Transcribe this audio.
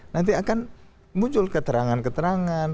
nanti akan muncul keterangan keterangan